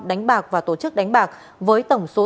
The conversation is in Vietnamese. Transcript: đánh bạc và tổ chức đánh bạc với tổng số